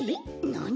なに？